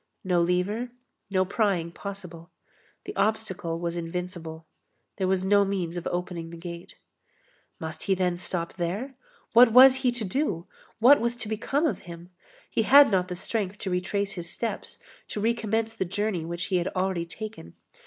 No lever; no prying possible. The obstacle was invincible. There was no means of opening the gate. Must he then stop there? What was he to do? What was to become of him? He had not the strength to retrace his steps, to recommence the journey which he had already taken.